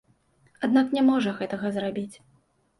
Аднак не можа гэтага зрабіць.